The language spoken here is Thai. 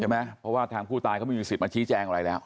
เพราะว่าทางผู้ตายเขาไม่มีสิทธิมาชี้แจงอะไรแล้ว